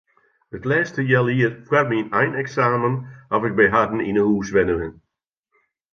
It lêste healjier foar myn eineksamen haw ik by harren yn 'e hûs wenne.